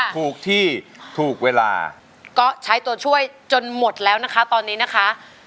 ถูกที่ถูกเวลาก็ใช้ตัวช่วยจนหมดแล้วนะคะตอนนี้นะคะ